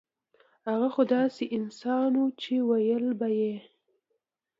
هغه خو داسې انسان وو چې وييل به يې